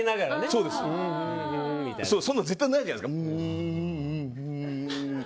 そんなの絶対ないじゃないですか。